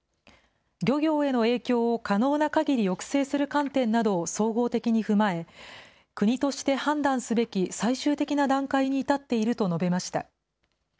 漁業への影響を可能なかぎり抑制する観点などを総合的に踏まえ、国として判断すべき最終的な段階に至っていると述べました。